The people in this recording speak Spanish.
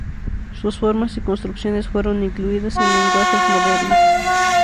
Sus formas y construcciones fueron incluidas en lenguajes modernos.